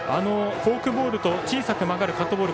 フォークボールと小さく曲がるカットボール。